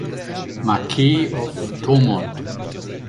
Marquess of Thomond.